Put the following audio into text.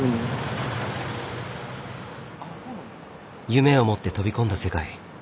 夢を持って飛び込んだ世界。